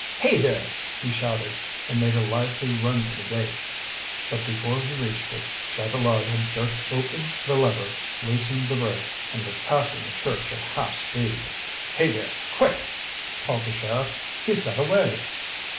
"Hey, there!" he shouted, and made a lively run for the gate. But before he reached it, Chatelard had jerked open the lever, loosened the brake, and was passing the church at half speed. "Hey, there, quick!" called the sheriff. "He's got away!"